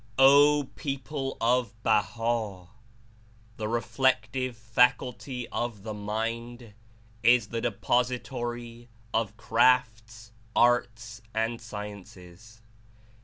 "O people of Baha' ! The reflective faculty (o^ the mind) Is the depository of crafts, arts and sciences.